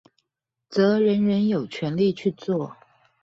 則人人有權利去做